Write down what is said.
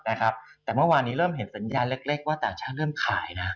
แต่เมื่อวานนี้เริ่มเห็นสัญญาณเล็กว่าต่างชาติเริ่มขายนะ